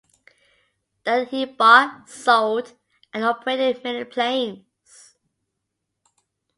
There he bought, sold, and operated many planes.